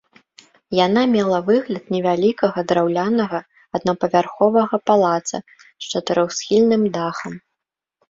Яна мела выгляд невялікага драўлянага аднапавярховага палаца з чатырохсхільным дахам.